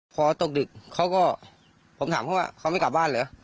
พอตกดึกเขาก็ผมถามเขาว่าเขาไม่กลับบ้านเหรอ